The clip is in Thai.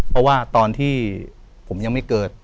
เพราะว่าตอนที่ผมยังไม่เกิด